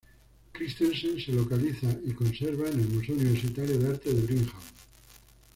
Christensen se localiza y conserva en el Museo Universitario de Arte de Brigham.